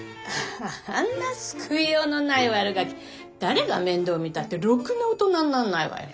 あんな救いようのないワルガキ誰が面倒見たってろくな大人になんないわよ。